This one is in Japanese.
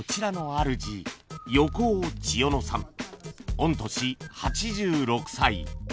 御年８６歳